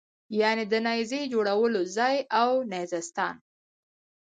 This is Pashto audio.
یعنې د نېزې جوړولو ځای او نېزه ستان.